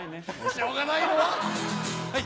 しょうがないのは。はい。